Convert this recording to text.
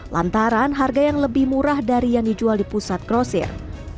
lantaran harga yang lebih murah dari yang dijual di pusat grosir